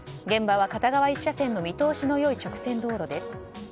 現場は片側１車線の見通しの良い直線道路です。